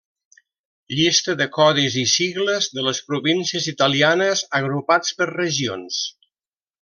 Llista de codis i sigles de les províncies italianes agrupats per regions.